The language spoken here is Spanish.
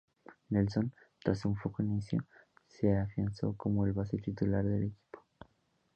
Nelson, tras un flojo inicio, se afianzó como el base titular del equipo.